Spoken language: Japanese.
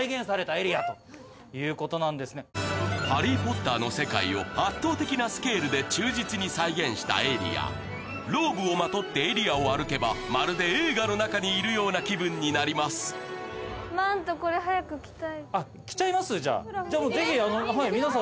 『ハリー・ポッター』の世界を圧倒的なスケールで忠実に再現したエリアローブをまとってエリアを歩けばまるで映画の中にいるような気分になりますやった！